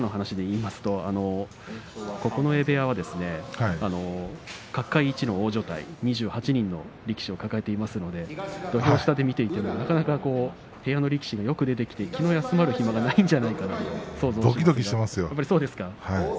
今の話でいいますと九重部屋は角界一の大所帯２８年の力士を抱えていますので土俵下で見ていてもなかなか部屋の力士がよく出てきて気が休まる暇がないんじゃどきどきしていますよ。